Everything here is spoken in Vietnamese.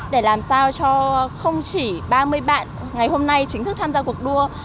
để làm sao cho không chỉ ba mươi bạn ngày hôm nay chính thức tham gia cuộc đua